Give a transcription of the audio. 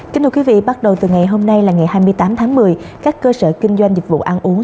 kính thưa quý vị bắt đầu từ ngày hôm nay là ngày hai mươi tám tháng một mươi các cơ sở kinh doanh dịch vụ ăn uống